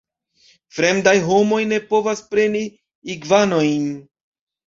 Fremdaj homoj ne povas preni igvanojn.